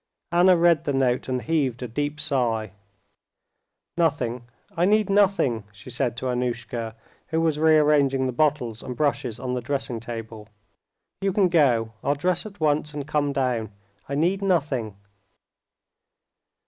Anna read the note and heaved a deep sigh. "Nothing, I need nothing," she said to Annushka, who was rearranging the bottles and brushes on the dressing table. "You can go. I'll dress at once and come down. I need nothing."